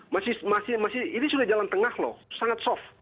masih masih ini sudah jalan tengah loh sangat soft